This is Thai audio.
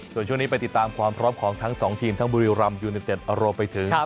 ส่วนช่วงนี้ไปติดตามความพร้อมของทั้งสองทีมทั้งบุรีรำยูเนเต็ดรวมไปถึง